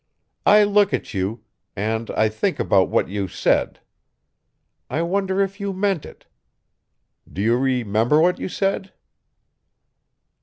I look at you and I think about what you said. I wonder if you meant it? Do you remember what you said?"